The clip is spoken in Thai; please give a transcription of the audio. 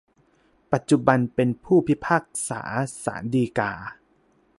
ปัจจุบันเป็นผู้พิพากษาศาลฎีกา